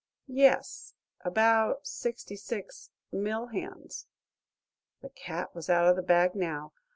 "Yes; about sixty six mill hands." The cat was out of the bag now.